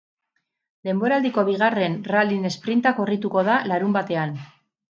Denboraldiko bigarren rallysprinta korrituko da larunbatean.